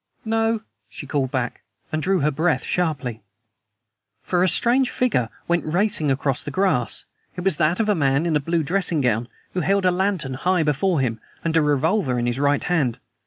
"No," she called back, and drew her breath sharply. For a strange figure went racing across the grass. It was that of a man in a blue dressing gown, who held a lantern high before him, and a revolver in his right hand.